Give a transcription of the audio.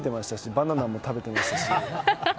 バナナも食べていましたし。